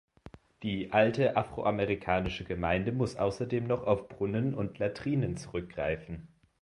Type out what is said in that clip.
Die alte afroamerikanische Gemeinde muss außerdem noch auf Brunnen und Latrinen zurückgreifen.